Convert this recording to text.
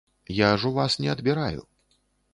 Я ж у вас не адбіраю.